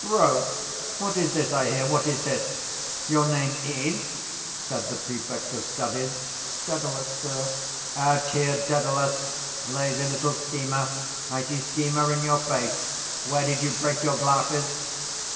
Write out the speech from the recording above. —Broke? What is this I hear? What is this? Your name is? said the prefect of studies. —Dedalus, sir. —Out here, Dedalus. Lazy little schemer. I see schemer in your face. Where did you break your glasses?